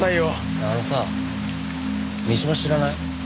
あのさ三島知らない？